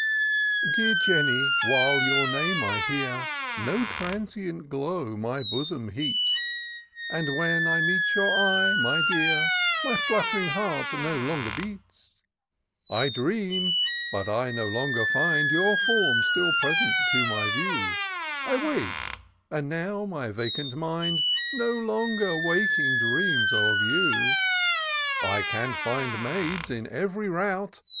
" Dear Jeimy, while your name I hear. No transient glow my bosom heats ; IN SEARCH OF THE PICTURESQUE. 43 And when I meet your eye, my dear, My fluttering heart no longer beats. I dream, but I no longer find Your form still present to my view ; I wake, but now my vacant mind No longer, waking, dreams of you. I can find maids, in ev'ry rout.